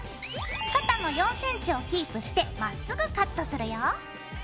肩の４ｃｍをキープしてまっすぐカットするよ。